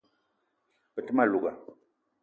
Be te ma louga